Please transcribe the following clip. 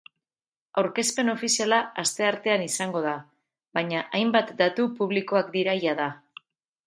Aurkezpen ofiziala asteartean izango da, baina hainbat datu publikoak dira jada.